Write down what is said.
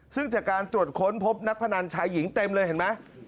ซึ่งจากการตรวจค้นพบนักพนันชายหญิงเต็มเลยเห็นไหม